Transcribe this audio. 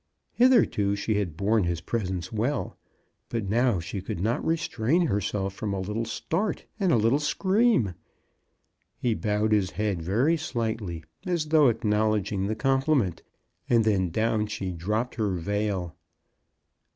Hitherto she had borne his pres ence well, but now she could not restrain her self from a little start and a little scream. He bowed his head very slightly, as though ac knowledging the compliment, and then down she dropped her veil.